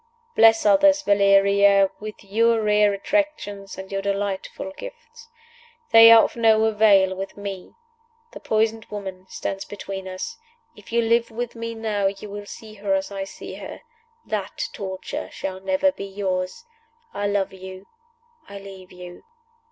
Bless others, Valeria, with your rare attractions and your delightful gifts. They are of no avail with me. The poisoned woman stands between us. If you live with me now, you will see her as I see her. That torture shall never be yours. I love you. I leave you.